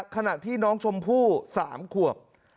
ขณะที่น้องชมพู่๓ขวบ